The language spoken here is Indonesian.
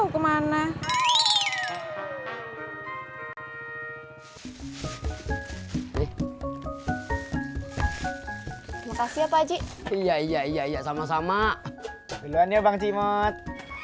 giluan kak cimot